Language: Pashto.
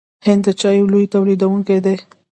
هند د چایو لوی تولیدونکی دی.